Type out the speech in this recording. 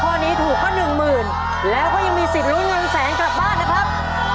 ข้อนี้ถูกก็หนึ่งหมื่นแล้วก็ยังมีสิทธิ์ลุ้นเงินแสนกลับบ้านนะครับ